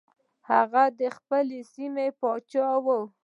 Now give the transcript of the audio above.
هغه د خپلې سیمې پاچا و.